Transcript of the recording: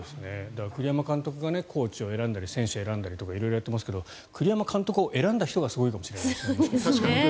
栗山監督がコーチを選んだり選手を選んだりとか色々やってますけど栗山監督を選んだ人が確かに。